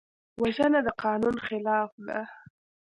وژنه د قانون خلاف ده